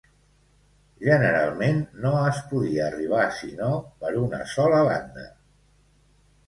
Generalment, no es podia arribar sinó per una sola banda.